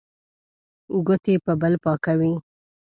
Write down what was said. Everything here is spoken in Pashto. ګوتې په بل پاکوي.